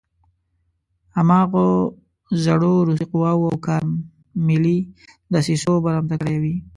هماغو زړو روسي قواوو او کارملي دسیسو برمته کړی وي.